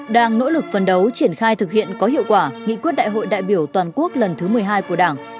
đang nỗ lực phấn đấu triển khai thực hiện có hiệu quả nghị quyết đại hội đại biểu toàn quốc lần thứ một mươi hai của đảng